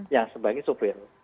yang sebagai sopir